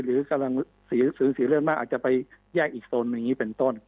หรือกำลังสีฤทธิ์สีเลือดมากอาจจะไปแยกอีกโซนอย่างนี้เป็นต้น